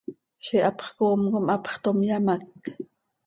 Ziix hapx coom com hapx toom, yamác.